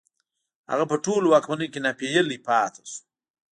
هغه په ټولو واکمنیو کې ناپېیلی پاتې شو